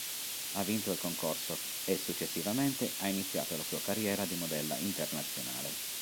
Ha vinto il concorso e, successivamente, ha iniziato la sua carriera di modella internazionale.